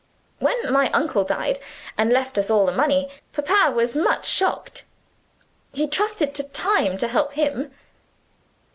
"When my uncle died, and left us all the money, papa was much shocked. He trusted to time to help him."